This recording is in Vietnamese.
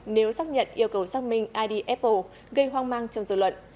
nếu xác nhận yêu cầu xác minh id apple gây hoang mang trong dự luận